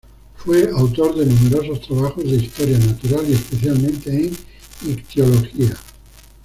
Fue autor de numerosos trabajos de historia natural y especialmente en ictiología.